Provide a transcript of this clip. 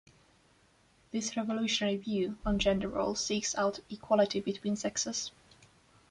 This revolutionary view on gender roles seeks out equality between sexes.